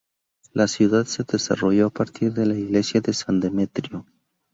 La ciudad se desarrolló a partir de la iglesia de San Demetrio.